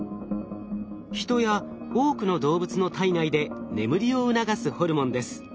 ヒトや多くの動物の体内で眠りを促すホルモンです。